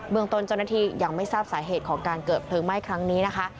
ตนเจ้าหน้าที่ยังไม่ทราบสาเหตุของการเกิดเพลิงไหม้ครั้งนี้นะคะ